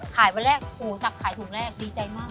อ๋อขายวันแรกอู๋ดับขายถุงแรกดีใจมาก